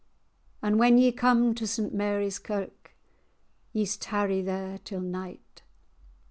And when ye come to St Mary's Kirk, Ye's tarry there till night."